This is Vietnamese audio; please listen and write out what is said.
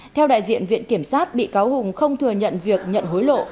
theo đại diện viện kiểm sát bị cáo hùng không thừa nhận việc nhận hối lộ